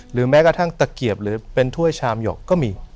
แม้กระทั่งตะเกียบหรือเป็นถ้วยชามหยกก็มี